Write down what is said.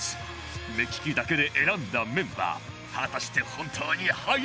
目利きだけで選んだメンバー果たして本当に速いのか？